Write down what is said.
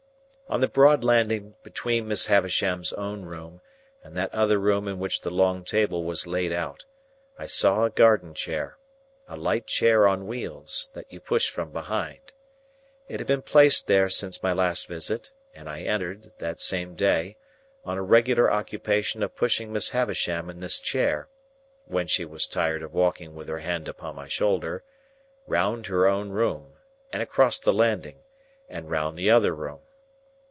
On the broad landing between Miss Havisham's own room and that other room in which the long table was laid out, I saw a garden chair,—a light chair on wheels, that you pushed from behind. It had been placed there since my last visit, and I entered, that same day, on a regular occupation of pushing Miss Havisham in this chair (when she was tired of walking with her hand upon my shoulder) round her own room, and across the landing, and round the other room.